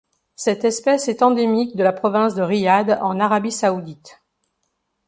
Cette espèce est endémique de la province de Riyad en Arabie saoudite.